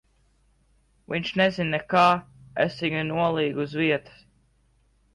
Viņš nezina nekā. Es viņu nolīgu uz vietas.